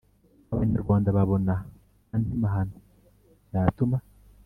abanyarwanda babona andi mahano yatuma